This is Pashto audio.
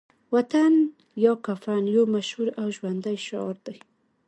وطن یا کفن يو مشهور او ژوندی شعار دی